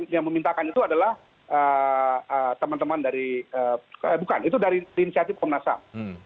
yang memintakan itu adalah teman teman dari bukan itu dari inisiatif komnas ham